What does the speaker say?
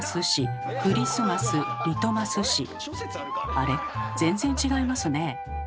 あれ全然違いますね。